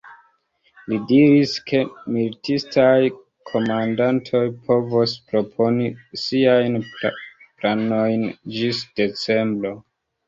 Li diris, ke militistaj komandantoj povos proponi siajn planojn ĝis decembro.